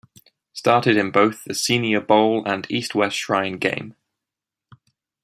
Started in both the Senior Bowl and East-West Shrine Game.